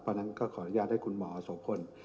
เพราะฉะนั้นก็ขออนุญาตให้คุณหมอโสพล